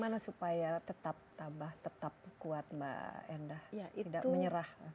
bagaimana supaya tetap tabah tetap kuat mbak endah tidak menyerah